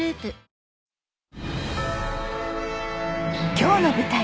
今日の舞台